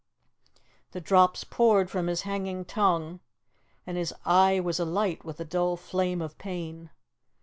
The drops poured from his hanging tongue and his eye was alight with the dull flame of pain.